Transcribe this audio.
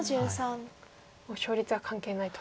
勝率は関係ないと。